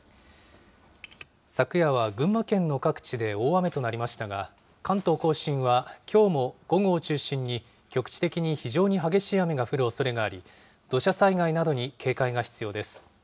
昨夜は群馬県の各地で大雨となりましたが、関東甲信はきょうも午後を中心に局地的に非常に激しい雨が降るおそれがあり、土砂災害などに警戒が必要です。